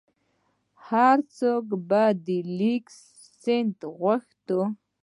هر څوک به د لیک سند غوښت.